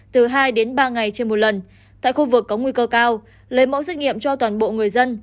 từ hai đến ba ngày trên một lần tại khu vực có nguy cơ cao lấy mẫu xét nghiệm cho toàn bộ người dân